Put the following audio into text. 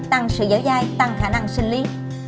tăng sự giở dai tăng khả năng sinh lý